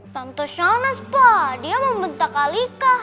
tante sanas pak dia membentak alika